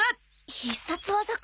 必殺技か。